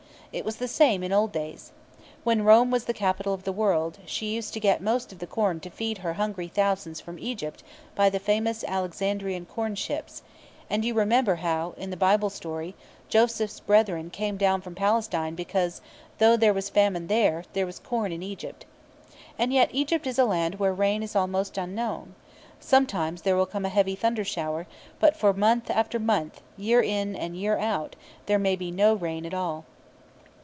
It was the same in old days. When Rome was the capital of the world, she used to get most of the corn to feed her hungry thousands from Egypt by the famous Alexandrian corn ships; and you remember how, in the Bible story, Joseph's brethren came down from Palestine because, though there was famine there, there was "corn in Egypt." And yet Egypt is a land where rain is almost unknown. Sometimes there will come a heavy thunder shower; but for month after month, year in and year out, there may be no rain at all.